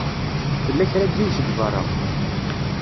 Tella kra n yiwet deg beṛṛa.